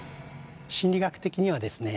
心理学的にはですね